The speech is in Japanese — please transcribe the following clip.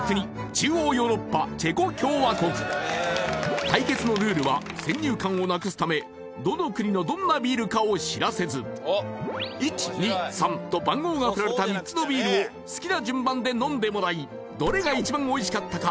中央ヨーロッパチェコ共和国対決のルールは先入観をなくすためどの国のどんなビールかを知らせず１２３と番号が振られた３つのビールを好きな順番で飲んでもらいどれが一番おいしかったか